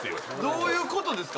どういうことですか？